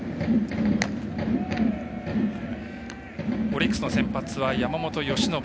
オリックスの先発は、山本由伸。